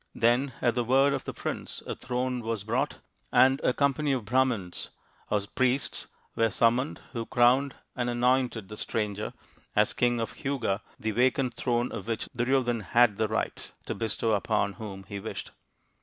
Then at the word of the prince a throne was 76 THE INDIAN STORY BOOK brought, and a company of Brahmans or priests were summoned, who crowned and anointed the stranger as king of Huga, the vacant throne of which Duryodhan had the right to bestow upon whom he wished